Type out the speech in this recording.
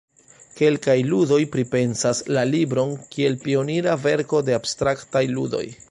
Kelkaj ludoj pripensas la libron kiel pionira verko de abstraktaj ludoj.